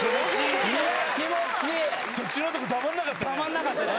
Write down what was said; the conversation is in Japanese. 途中のとこたまんなかったね。